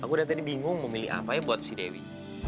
aku udah tadi bingung mau milih apa ya buat si dewi